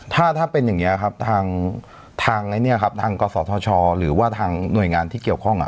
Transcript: ถ้าเป็นอย่างนี้ครับทางกษทชหรือว่าทางหน่วยงานที่เกี่ยวข้อง